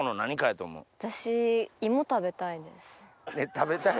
食べたい？